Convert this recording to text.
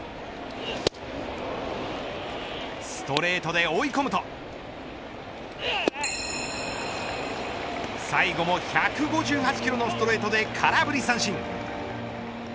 ストレートで追い込むと最後も１５８キロのストレートで空振り三振。